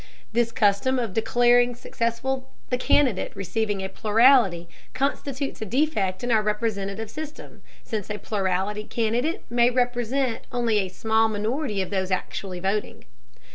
This custom of declaring successful the candidate receiving a plurality constitutes a defect in our representative system, since a plurality candidate may represent only a small minority of those actually voting.